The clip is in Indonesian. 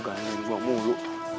gak ada yang jual mulu